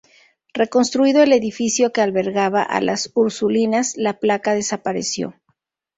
Reconstruido el edificio que albergaba a las Ursulinas, la placa desapareció.